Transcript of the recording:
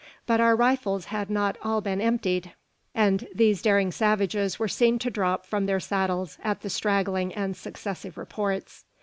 But our rifles had not all been emptied; and these daring savages were seen to drop from their saddles at the straggling and successive reports.